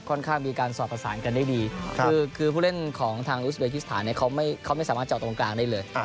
ข้างมีการสอบประสานกันได้ดีคือผู้เล่นของทางอุสเบกิสถานเขาไม่สามารถจอดตรงกลางได้เลย